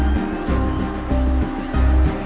di kota alam